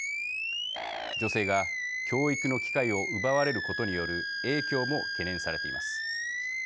女性が教育の機会を奪われることによる影響も懸念されています。